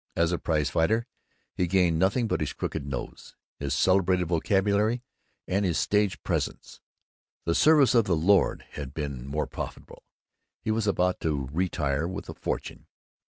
As a prize fighter he gained nothing but his crooked nose, his celebrated vocabulary, and his stage presence. The service of the Lord had been more profitable. He was about to retire with a fortune.